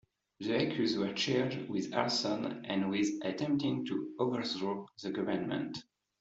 The accused were charged with arson and with attempting to overthrow the government.